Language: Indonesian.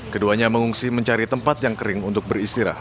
keduanya mengungsi mencari tempat yang kering untuk beristirahat